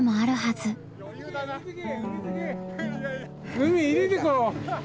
海入れてこ。